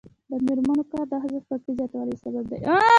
د میرمنو کار د ښځو خپلواکۍ زیاتولو سبب دی.